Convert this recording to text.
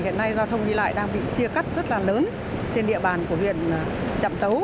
hiện nay giao thông đi lại đang bị chia cắt rất là lớn trên địa bàn của huyện trạm tấu